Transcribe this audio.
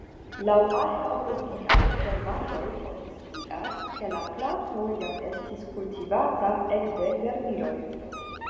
Laŭ arĥeologiaj trovaĵoj oni scias, ke la planto jam estis kultivata ekde jarmiloj.